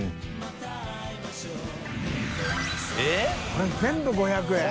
─舛叩これ全部５００円？